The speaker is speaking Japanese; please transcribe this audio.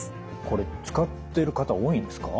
これ使ってる方多いんですか？